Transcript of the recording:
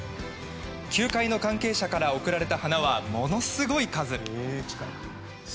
球界の関係者から贈られた花はものすごい数。